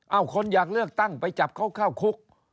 เอาคนอยากเลือกตั้งไปจับเขาเข้าคุก